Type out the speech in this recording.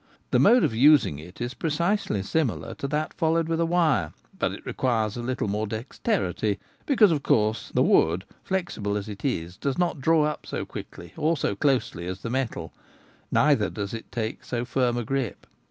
The mode of using it is precisely similar to that followed with a wire, but it requires a little more dexterity, because, of course, the wood, flexible as it is, does not draw up so quickly or so closely as the metal, neither does it take so firm a grip.